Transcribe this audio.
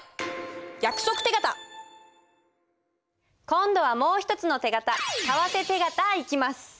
今度はもう一つの手形為替手形いきます。